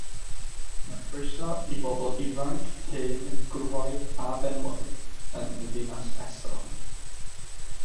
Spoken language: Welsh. Mae croeso i bobl ifanc, hen, gwrywaidd a benywaidd yn y ddinas estron.